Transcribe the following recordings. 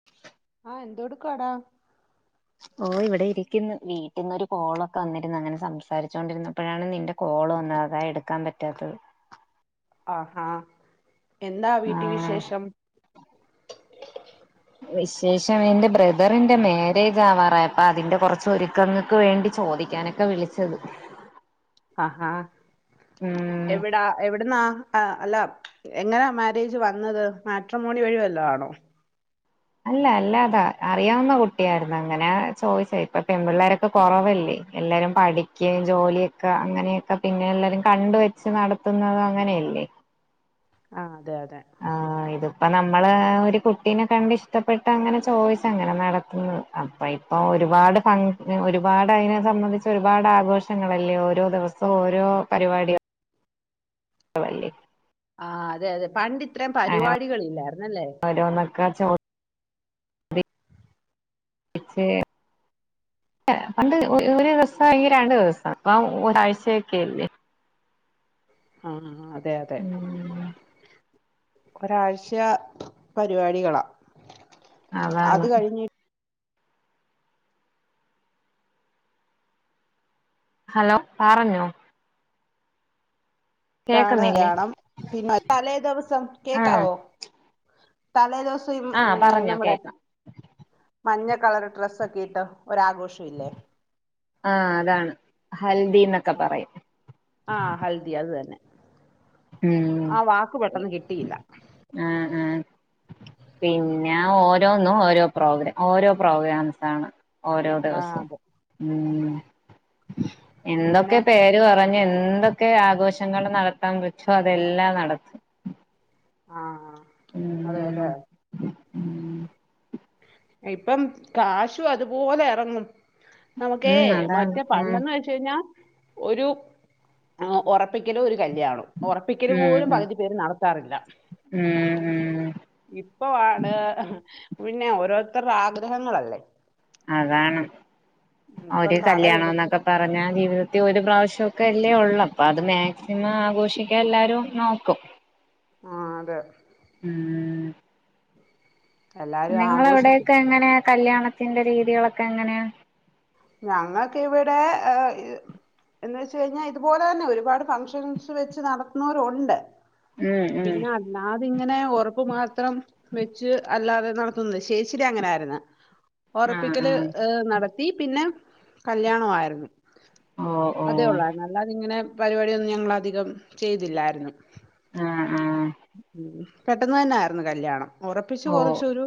[unintelligible] ആഹ് എന്തൊ എടുക്കുവാടാ ഓ ഇവിടെ ഇരിക്കുന്ന് വീട്ടിന്നൊരു കോളൊക്കെ വന്നിരന്ന് അങ്ങനെ സംസാരിച്ചു കൊണ്ടിരുന്നപ്പോഴാണ് നിന്റെ കോള് വന്ന് അതാ എടുക്കാൻ പറ്റാത്തത് ആഹ് ഹാ എന്താ ആ വീട്ടി വിശേഷം വിശേഷം എന്റെ ബ്രദറിന്റെ മാരേജ് ആവാറായ് അപ്പൊ അതിന്റെ കുറച്ച് ഒരുക്കങ്ങൾക്ക് വേണ്ടി ചോദിക്കാന ക്കെ വിളിച്ചത് ആഹാ ഉം എവിടാ എവിടന്നാ ആഹ് അല്ല എങ്ങനാ മാരേജ് വന്നത് മാട്രിമോണി വഴിവല്ലോ ആണോ അല്ല അല്ലാതാ അറിയാവുന്ന കുട്ടിയായിരുന്നു അങ്ങനെ ചോയ്ച്ചാ ഇപ്പൊ പെൺപിള്ളോരൊ ക്കെ കൊറവല്ലേ എല്ലാരും പഠിക്കെയും ജോലിയൊക്കെ അങ്ങനെയൊക്കെ പിന്നെ എല്ലാരും കണ്ട് വ ച്ച് നടത്തുന്നുന്നത് അങ്ങനെയല്ലേ ആഹ് അതെ അതെ ആ ഇതിപ്പോ നമ്മള് ഒരു കുട്ടീനെ കണ്ട് ഇഷ്ടപ്പെട്ട് അങ്ങനെ ചോയ്ച്ച് അങ്ങനെ നടത്തുന്നത് അപ്പൊ ഇപ്പൊ ഒരുപാട് ഫ ഒരുപാട് അതിനെ സംബന്ധിച്ച് ഒരുപാട് ആഘോഷങ്ങളല്ലേ ഓരോ ദിവസം സൊ ഓരോ പരിപാടിക ളല്ലെ ആ അതെ അതെ പണ്ട് ഇത്രെം പരിപാടികള് ഇല്ലായിരുന്നല്ലേ കച്ചൊ ഇച്ചെ പണ്ട് ഒരു ദിവസം അല്ലെങ്കി രണ്ടു ദിവസം ഇപ്പം ഒരാഴ്ചയൊക്കെല്ലേ ആഹ് അതെ അതെ ഉം ഒരാഴ്ച പരിപാടികളാ അതാണ് അത് ഹലോ പറഞ്ഞോ യാണ് കേക്കുന്നില്ലേ യാണം പിന്നെ തലേ ദിവസം ആഹ് കേക്കാവോ തലേ ദിവസം ഇപ്പ ആഹ് മ് പറഞ്ഞോ നമ്മുടെ കേക്കാം മഞ്ഞ കളർ ഡ്രസ്ക്കേ ഇട്ട് ഒരാഘോഷം ഇല്ലേ ആഹ് അതാണ് ഹൽദി എന്നൊക്കെ പറയും ആഹ് ഹൽദി അത് തന്നെ ഉം ആ വാക്ക് പെട്ടെന്ന് കിട്ടിയില്ല ആഹ് ആഹ് പിന്നെ ഓരോന്നും ഓരോ പ്രോഗ്രാം ഓരോ പ്രോഗ്രാംസ് ആണ് ഓരോ ആ ദിവസവും അതെ ഉം പിന്നെ എന്തൊക്കെ പേര് പറഞ്ഞു എന്തൊ ക്കെ ആഘോഷങ്ങൾ നടത്താൻ പറ്റോ അതെല്ലാം നടത്തും ആ ഉം അതെല്ലേ ഉം ഇപ്പ കാശും അതുപോലെ ഇറങ്ങും നമുക്കേ ഉം അതാണ് മറ്റേ ഉം പണ്ടെന്ന് വെ ച്ച് കഴിഞാ ഒരു ഒറപ്പിക്കലും ഒരു കല്യാണോം ഒറപ്പിക്കല് ഉം പോലും ഉം പകുതി പേര് നടത്താറില്ല ഉം ഉം ഇപ്പോ ആണ് പിന്നെ ഓരോര്ത്തരുടെ ആഗ്രഹങ്ങളല്ലേ. അതാണ് ഉം, ഇപ്പം ഒരു കടമെടുത്ത് കല്യാണംന്നൊക്കെ പറഞ്ഞാൽ ജീവിതത്തിൽ ഒരു പ്രാവശ്യൊക്കെ അല്ലേ ഒള്ളൂ അപ്പോ അത് മാക്സിമം ആഘോഷിക്കാൻ എല്ലാരും നോക്കും. ആഹ് അതെ. ഉം. എല്ലാരും നിങ്ങള ആഘോഷിക്കും അവിടെയൊക്കെ എങ്ങനെയാ കല്യാണത്തിന്റെ രീതികളൊക്കെ എങ്ങനെയാ? ഞങ്ങൾക്ക് ഇവിടെ ഏഹ്. എന്ന് വെച്ച് കഴിഞ്ഞാ ഇതുപോലെ തന്നെ ഒരുപാട് ഫംഗ്ഷൻസ് വെച്ച് നടത്തുന്നോരുണ്ട്. ഉം ഉം പിന്നെ അല്ലാതി ഇങ്ങനെ ഉറപ്പ് മാത്രം. വെച്ച് അല്ലാതെ നടത്തുന്നത് ചെച്ചിടെ അങ്ങനെയാര്ന്ന്. ആഹ് ഒറപ്പിക്കല് ആഹ് ഏഹ് നടത്തി പിന്നെ കല്യാണവായിര്ന്നു. ഓ ഓ. അതെ ഉള്ളരുന്നു അല്ലാതെ ഇങ്ങനെ പരിപാടിന്നും ഞങ്ങള് അധികം ചെയ്തില്ലായിരുന്നു. ആഹ് ആഹ്. പെട്ടെന്ന് തന്നെ ആയിര്ന്നു കല്യാണം ഉറപ്പിച്ച് ഓ കുറച്ച് ഒരു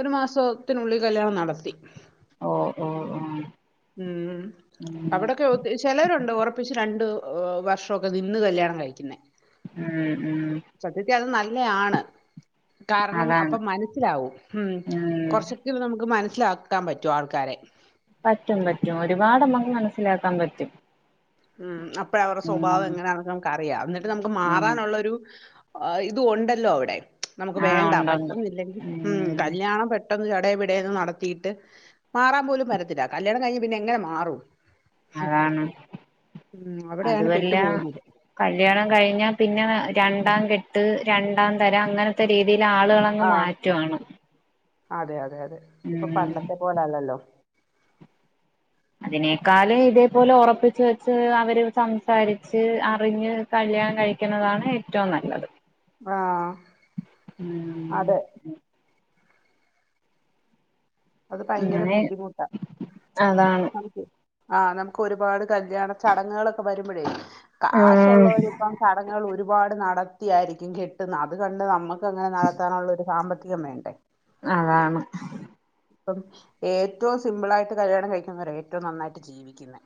ഒരു മാസം ത്തിനുള്ളി കല്യാണം നടത്തി. ഒ ഓ. ഉം ഉം ഉം അവിടക്കെ. ചെലവരുണ്ട് ഒറ്പ്പിച്ച് രണ്ട് വർഷക്കെ നിന്ന് കല്യാണം കഴിക്കുന്നേ. ഉം ഉം. സത്യത്തിൽ അത് നല്ലയാണ് കാരണം അതാണ് അപ്പോ മനസ്സിലാവും. ഉം ഉം കൊറ്ച്ചൊക്കെ നമുക്ക് മന്സ്സിലാക്കാൻ പറ്റു ആൾക്കാരെ. പറ്റും പറ്റും ഒരുപാട് നമ്മക്ക് മനസ്സിലാക്കാൻ പറ്റും. ഉം അപ്പഴ അവരുടെ സ്വഭാവം ഉം എങ്ങനെയാണ് നമുക്ക് അറിയാം എന്നിട്ട് നമുക്ക് ഉം മാറാനുള്ളരു ആഹ് ഇത് ഉണ്ടല്ലോ അവിടെ നമുക്ക് ആഹ് വേണ്ട ഉണ്ടുണ്ട് പറ്റുന്നില്ലെങ്കിൽ. ഉം കല്യാണം പെട്ടെന്ന് ചടെ പിടെന്ന് നടത്തിട്ട്. മാറാൻ പോലും പറ്റത്തില്ല കല്യാണം കഴിഞ്ഞ് പിന്നെ എങ്ങനെ മാറും. അതാണ് ഉം അവിടെയാണ് പെട്ടു അതുവല്ലാ. പോകുന്നത് കല്യാണം കഴിഞ്ഞാ പിന്നെ രണ്ടാം കെട്ട് രണ്ടാം തരം അങ്ങനത്തെ രീതിൽ ആളുകള്. അങ്ങ് ആഹ് മാറ്റു ആണ്. അതെ അതെ അതെ ഇപ്പൊ ഉം പണ്ടത്തെ പോലല്ലല്ലോ? അതിനേക്കാള് ഇതേ പോലെ ഒറപ്പിച്ച് വെച്ച് അവര് സംസാരിച്ച് അറിഞ്ഞ്. കല്യാണം കഴിക്കുന്നതാണ് ഏറ്റവും നല്ലത്. ആഹ് അതെ. അത് ഭയങ്കര അങ്ങനെ ബുദ്ധിമുട്ടാ അതാണ് [unintelligible] ആഹ് നമുക്ക് ഒരുപാട് കല്യാണ ചടങ്ങുകളൊക്കെ വരുമ്പഴേ കാശ് ഉം ഉള്ളോരിപ്പം. ചടങ്ങുകൾ ഒരുപാട് നടത്തിയായിരിക്കും കെട്ടുന്ന് അത് കണ്ട് നമ്മ ക്ക് അങ്ങനെ നടത്താനുള്ളൊരു സാമ്പത്തികം വേണ്ടേ. അതാണ്. ഇപ്പം ഏറ്റവും സിമ്പിളായിട്ട് കല്യാണം കഴിക്കുന്നവരാ ഏറ്റവും നന്നായിട്ട് ജീവിക്കുന്നേ.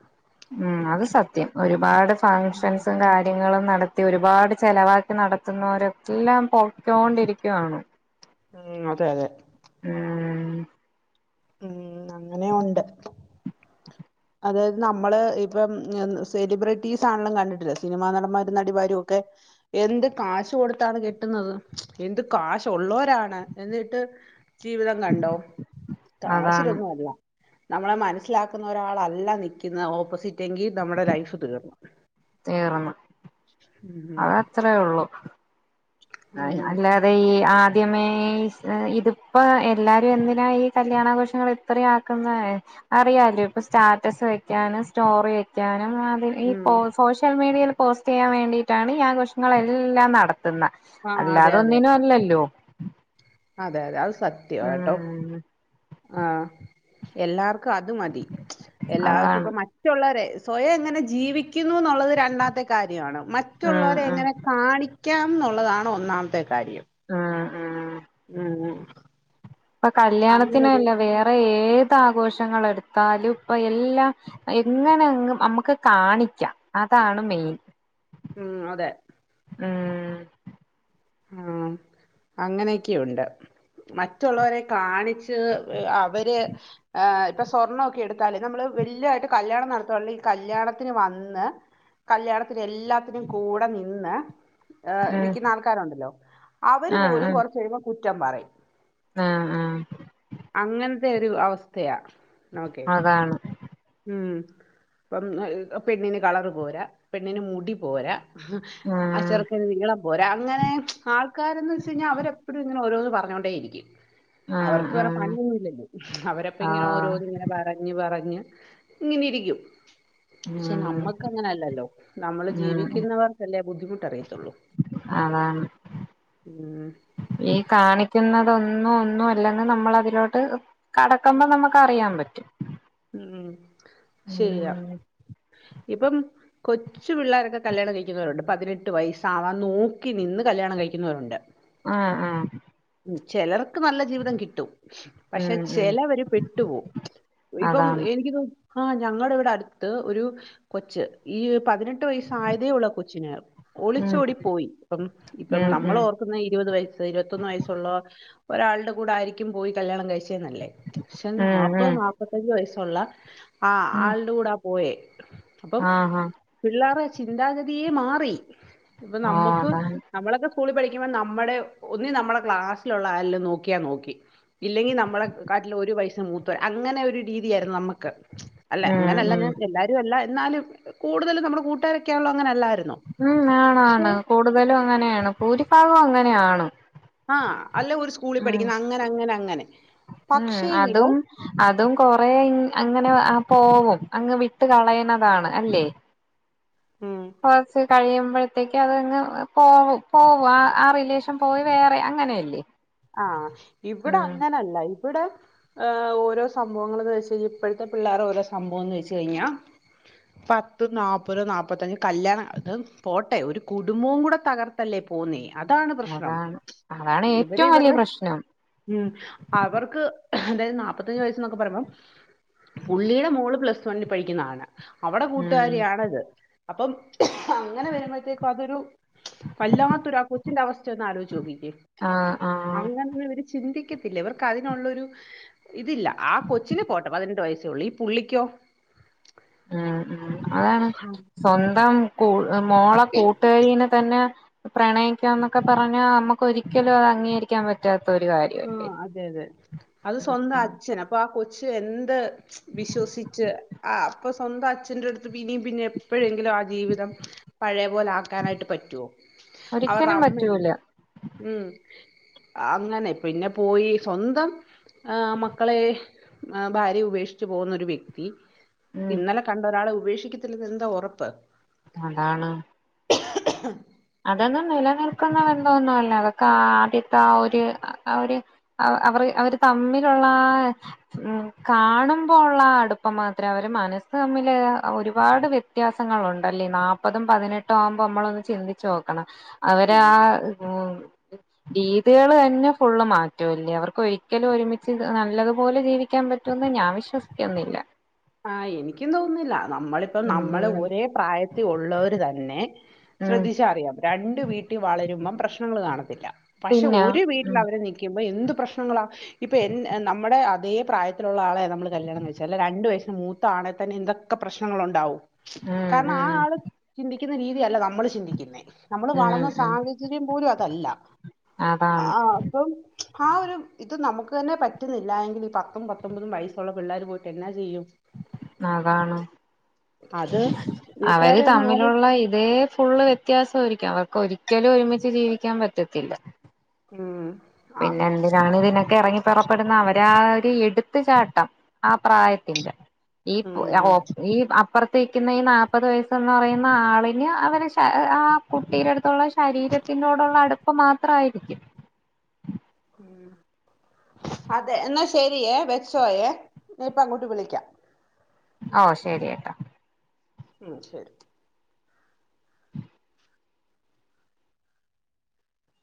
ഉം അത് സത്യം ഒരുപാട് ഉം ഫങ്ഷൻസും കാര്യങ്ങളും നട ത്തി ഒരുപാട് ചെലവാക്കി നടത്തുന്നോരെല്ലാം പൊട്ടിയ്ണ്ടിരിക്കൃവാണ്. ഉം അതെ അതെ. ഉം. ഉം അങ്ങനെം ഉണ്ട്. അതായത് നമ്മള് ഇപ്പം സെലിബ്രിറ്റീസ് ആണലും കണ്ടിട്ടില്ല സിനിമാ നടന്മാര നടിമാരും ഒക്കെ എന്ത് കാശ് കൊടുത്താണ് കിട്ടുന്നത്. എന്ത് കാശ ഉള്ളവരാണ് എന്നിട്ട് ജീവിതം കണ്ടോ അതാണ് കാശിലൊന്നുംന്നുമല്ല അല് നമ്മളെ മനസ്സിലാക്കുന്ന ഒരാളല്ല എല്ല നൽക്കുന്നകി ഓപ്പോസിറ്റ എങ്കിൽ നമ്മുടെ ലൈഫ് തീർന്നു. തീർന്നു ഉം അതത്രേ ഉള്ളു. ഉം അത ഈ ആദ്യമേ ഇതിപ്പോ എല്ലാരും എന്തിനാ ഈ കല്യാണാഘോഷങ്ങൾ ഇത്രയും ആക്കുന്ന അറിയാലോ ഇപ്പ സ്റ്റാറ്റ വെക്കാനും സ്റ്റോറി വെക്കാനും വ ഈ പോ ഉം സോഷ്യൽ മീഡിയയിൽ പോസ്റ്റ് ചെയ്യാൻ വേണ്ടിയിട്ടാണ് ഈ ആഘോഷങ്ങളൾ എല്ലാം നടത്തുന്നേ ആ അതെ അല്ലാതെ അതെ ഒന്നിനും അല്ലല്ലോ അതെ അതെ അത് സത്യാ കേട്ടോ ഉം ആഹാ എല്ലാവർക്കും അത് മതി എല്ലാവർക്കും അതാണ് ഇപ്പ മ മറ്റുള്ളവരെ സ്വയം എങ്ങനെ ജീവിക്കുന്നു എന്നുള്ളത്. രണ്ടാമത്തെ കാര്യമാണ് ഉം മറ്റുള്ളവരെ ഉം എങ്ങനെ കാണിക്കാം ന്നുള്ളതാണ് ഒന്നാമത്തെ കാര്യം. ആഹാ ആഹാ അങ്ങനെ ഇപ്പ കല്യാണത്തിനല്ല വേറെ ഏത് ആഘോഷങ്ങളൾ എടുത്താലും ഇപ്പ എല്ലാം എങ്ങനെങ്ങ് നമ്മുക്ക് കാണിക്കാം അതാണ് മെയിൻ. ഉം അതെ ഉം ആഹ് അങ്ങനെയൊക്കെയുണ്ട് മറ്റുള്ളവരെ കാണി ച് അവര് ഏ ഇപ്പൊ സ്വർണ്ണൊക്കെ ഒക്കെ എടുത്താല് നമ്മള് വല്യതായിട്ട് കല്യാണം നടത്തുകുയണെ ഈ കല്യാണത്തിന് വന്ന് കല്യാണത്തിന് എല്ലാത്തിനും കൂടെ നിന്ന് ഏ ഉം നിക്കുന്ന ആൾക്കാരുണ്ടല്ലോ അവര് ആഹ് പോലും കൊറച്ച കഴുമ്പോൾ കുറ്റം പറയും. ആഹാ ആഹാ അങ്ങനത്തെ ഒരു അവസ്ഥയാ നോക്കു അതാണ് ഉം അപ്പം പെണ്ണിന് കളറ് പോരാ പെണ്ണിന് മുടി പോരാ. ആ ആഹ് ചെറുക്കന് നീളം പോരാ അങ്ങനെ ആൾക്കാരന്ന് വെച്ച് കഴിഞ്ഞാൽ അവരെപ്പോഴും ഇങ്ങനെ ഓരോന്ന് പറഞ്ഞോണ്ടേ ഇരിക്കും ആഹ് അവർക്ക് ആഹ് പണൊന്നില്ലല്ലോ അവരപ്പ ഇങ്ങനെ ആഹ് ഓരോന്ന ഇങ്ങനെ പറഞ് പറഞ്ഞ്. ഇങ്ങനെ ഇരിക്കും. പക്ഷെ ഉം നമ്മക്ക് അങ്ങനെല്ലല്ലോ നമ്മള് ഉം ജീവിക്കുന്നവർക്കല്ലേ ബുദ്ധിമുട്ട് അറിയത്തുള്ളൂ. അതാണ് ഉം ഈ കാണിക്കുന്ന അതൊന്നും ഒന്നും അല്ലങ്കിൽ നമ്മള അതിലോട്ട് കടക്കുമ്പോ നമുക്ക് അറിയാൻ പറ്റും. ഉം ശരിയാ ഉം ഇപ്പം കൊച്ച് കൊച്ചു പിള്ളേരൊക്കെ കല്യാണം കഴിക്കുന്നവരുണ്ട് പതിനെട്ട് വയസ്സാവാൻ നോക്കി നിന്ന് കല്യാണം കഴിക്കുന്നവരുണ്ട്. ആഹ ആഹ ഉം ചിലർക്ക് നല്ല ജീവിതം കിട്ടും. ഉം പക്ഷെ ഉം ചിലവര് പെട്ടു പോവും. ഇപ്പം അതാണ് എനിക്ക് തോന്നുന്നു. ആ ഞങ്ങളുടെ ഇവിടെ അടുത്ത് ഒരു കൊച്ച് ഈ പതിനെട്ട് വയസ്സ ആയതേ ഒള്ളൂ കൊച്ചിന്. ഉം ഒളിച്ചോഓടി പോയി ഇപ്പം ഇപ്പം ഉം ഉം നമ്മളോ ഇരുപത് വയസ് ഇരുപത്തൊന്ന് വയസ്സുള്ള ഒരാളുടെ കൂടെ ആയിരിക്കും. പോയി കല്യാണം കഴിച്ചെന്നല്ലേ. പക്ഷെ ഉം നാല്പ്പത് ഉം നാല്പത്തഞ്ചു വയസ്സുള്ള ആ ഉം ആളുടെ കൂടൊ പോയ. അപ്പം ആഹ് ആഹ് പിള്ളേരു ചിന്താഗതിയെ മാറി. ഇപ്പൊ ഓഹ് നമ്മുക്ക് അതാണ് നമ്മളൊക്കെ സ്കൂളിൽ പഠിക്കുമ്പോൾ നമ്മുടെ ഒന്നി നമ്മുടെ ക്ലാസ്സിലുള്ള ആരെല്ലും നോക്കിയാ നോക്കി. ഇല്ലെങ്കിൽ നമ്മളെ കാട്ടിൽ ഒരു വയസ മൂത്ത. അങ്ങനെ. രീതിയരുന്നു നമക്ക്. അല്ല ഉം അങ്ങനെല്ല ഉം ഞാൻ ഇതല്ല എന്നാലും. കൂടുതലും നമ്മുടെ കൂട്ടുകാരൊക്കെയാണള്ളോ അങ്ങനെ അല്ലായിരുന്നു. ഉം. ആണാണ്. കൂടുതലും അങ്ങനെയാണ്. ഭൂരിഭാഗം അങ്ങനെയാണ്. ആഹ അല്ല ഒരു സ്കൂളിൽ ഉം പഠിക്കുന്ന. അങ്ങനെ അങ്ങനെ അങ്ങനെ. ഉം പക്ഷേങ്കില് അതും അതും കൊറേ അങ്ങനെ പോവും. അങ്ങ് വിട്ട് കളയുന്നതാണ് അല്ലേ. ഉം. കൊറച്ച് കഴിയുമ്പോഴത്തേക്ക് അത്ങ്ങ് പോവ പോവും. ആ ആ റിലേഷൻ പോയി വേറെ അങ്ങനെയല്ലേ. ആഹ. ഇവിടെ ഉം അങ്ങനല്ല. ഇവിടെ ഓരോ സംഭവങ്ങൾന്ന് വെച്ച് കഴിഞ്ഞാ ഇപ്പോഴത്തെ പിള്ളേർ ഓരോ സംഭവം എന്ന് വെച്ച് കഴിഞ്ഞാ. പത്ത് നാപ്പത് നാല്പ്പത്തഞ്ച് കല്യാണം. അത് പോട്ടെ. ഒരു കുടുംബവും കൂടെ തകർ തല്ലേ പോന്നേ. അതാണ് പ്രശ്നം. അതാണ് അതാണ് ഏറ്റ അവര ഇരുടെ ഉ അവർക്ക് അതായത് നാപ്പത്തഞ്ചു വയസ്സ എന്നൊക്കെ പറയുമ്പം പുള്ളിയുടെ മോള് പ്ലസ് വണ്ണിൽ പഠിക്കുന്നതാണ്. അവിടെ ഉം കൂട്ടുകാരിയാണത്. അപ്പം അങ്ങനെ വരുമ്പോഴത്തേക്കും അതൊരു വല്ലാത്തുരാ. കൊച്ചിന്റെ അവസ്ഥയ ഒന്ന് ആലോചിചു നോക്കിക്കേ. ആഹ ആഹ അങ്ങനെ ഇവര് ചിന്തിക്കത്തില്ല. ഇവർക്ക് അതിനുള്ളൊരു ഇതില്ല. ആ കൊച്ചിന് പോട്ടെ. പതിനെട്ടു വയസ്സേ ഉള്ള. ഈ പുള്ളിക്കോ. ഉം ഉം. അതാണ്. സ്വന്തം ക മോള കൂട്ടുകരിനെ തന്നെ. പ്രണയിക്കാം എന്നൊക്കെ പറഞ്ഞാ നമുക്ക് ഒരിക്കലും അത് അംഗീകരിക്കാൻ പറ്റാത്ത ഒരു കാര്യം. ആ അതെ. അതെ. അത് സ്വന്തം അച്ഛന്. അപ്പൊ ആ കൊച്ച എന്ത് വിശ്വസിച്ച് ആ അപ്പൊ സ്വന്തം അച്ഛന്റെറെ അടുത്ത് ഇനിയും പിന്നെ എപ്പോഴെങ്കിലും ആ ജീവിതം പഴയപോലെ ആ ക്കാനായിട്ട് പറ്റോ. അവരുടെ ഒരിക്കലും അമ്മയുണ്ട് പറ്റൂല ഉം. അങ്ങനെ. പിന്നെ പോയി സ്വന്തം. മക്കളെ ഭാര്യ ഉപേക്ഷിച്ച് പോകുന്നൊരു വ്യക്തി ഉം ഇന്നലെ കണ്ട ഒരാളെ ഉപേക്ഷിക്കത്തില്ല എന്താ ഉറപ്പ്. അതാണ്. അതൊന്നും നിലനിൽക്കുന്ന ബന്ധമൊന്നും അല്ലേ. അതൊക്കെ ആദ്യത്തെ ആ ഒരു ഒരു അവർ അവര് തമ്മിലുള്ള ഉം കാണുമ്പോള്ള അടുപ്പം മാത്രേ. അവര് മനസ്സ് തമ്മില് ഒരുപാട് വ്യ വ്യത്യാസങ്ങളുണ്ടല്ലേ. നാൽപ്പതും പതിനെട്ടും ആവുമ്പോ നമ്മളൊന്ന് ചിന്തിച്ചു നോക്കണം. അവര് ആ ഉം ഉം. രീതികള് തന്നെ ഫുള്ള് മാറ്റുംല്ലേ. അവർക്ക് ഒരിക്കലും ഒരുമിച്ച് നല്ലതുപോലെ ജീവിക്കാൻ പറ്റും പറ്റന്ന ഞാൻ വിശ്വസിക്കുന്നില്ല. ആഹ എനിക്കും തോന്നുന്നില്ല നമ്മളിപ്പോ നമ്മള് ഉം ഒരേ പ്രായത്തിൽ ഉള്ളവർ തന്നെ. ഉം ശ്രദ്ധിച്ച അറിയാം. രണ്ടു വീട്ടിൽ വളരുമ്പം പ്രശ്നങ്ങൾ കാണത്തില്ല. പക്ഷെ പിന്നെ ഒരു വീട്ടിൽ ഉം അവര് നിൽക്കുമ്പോ എന്ത് പ്രശ്നങ്ങളാ. ഇപ്പൊ എൻ നമ്മുടെ അതേ പ്രായത്തിലുള്ള ആളെ നമ്മള് കല്യാണംകഴിച്ചാ. രണ്ടു വയ മൂത്ത ആണെൽ തന്നെ എന്തൊക്കെ പ്രശ്നങ്ങള ഉണ്ടാവും. ഉം കാരണം ആ ഉം ആള് ചിന്തി ക്കുന്ന രീതിയല്ല നമ്മള് ചിന്തിക്കുന്നേ. നമ്മള് ഉം വളർന്ന ഉം സാഹചര്യം പോലും അതല്ല. ആ അതാണ് അപ്പം ആ ഒരു ഇത് നമുക്ക് തന്നെ പറ്റുന്നില്ല എങ്കിൽ ഈ പത്തും പത്തൊമ്പതും വയസ്സുള്ള പിള്ളേർ പോയിട്ട് എന്നാ ചെയ്യും. അതാണ്. അത് അവര് വീട്ടുകാരെ ഒന്നും ആരും തമ്മിലുള്ള ഇതേ ഫുള്ള് വ്യത്യാസം ഒരിക്കു അവർക്ക് ഒരിക്കലും ഒരുമിച്ച് ജീവിക്കാൻ പറ്റത്തില്ല മ് പിന്നെ എന്തിനാണ് ഇതിനൊക്കെ എറങ്ങി പുറപ്പെടുന്ന അവരാ ഒരു എടുത്തു ചാട്ടം ആ പ്രായത്തിന്റെ ഈ ഉം അതെ ഈ അം അപ്പുറത്തിക്കുന്ന ഈ നാല്പ്പത് വയസ്സ്ന്ന് പറയുന്ന ആളിന് അവനെ ശആ കുട്ടീുടെടുത്തുള്ള ശരീരത്തി ത്തൊടുള്ള അടുപ്പ് മാത്രമായിരിക്കും അതെ എന്നാ ശരിയേ വെച്ചോയേ നയിപ്പ അങ്ങോട്ട് വിളിക്കാം ഓ ശെരി ട്ടോ ഉം ശരി